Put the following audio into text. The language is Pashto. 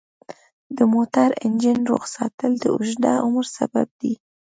د موټر انجن روغ ساتل د اوږده عمر سبب دی.